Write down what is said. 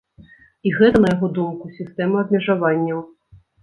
І гэта, на яго думку, сістэма абмежаванняў.